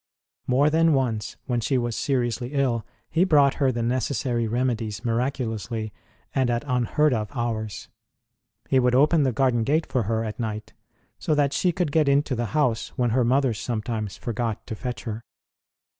More than once when she was seriously ill he brought her the necessary remedies miraculously and at un heard of hours ; he would open the garden gate for her at night, so that she could get into the house when her mother sometimes forgot to fetch her.